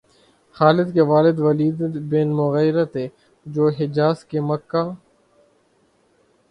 خالد کے والد ولید بن مغیرہ تھے، جو حجاز کے مکہ